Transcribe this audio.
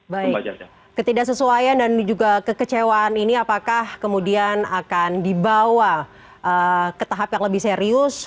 baik ketidaksesuaian dan juga kekecewaan ini apakah kemudian akan dibawa ke tahap yang lebih serius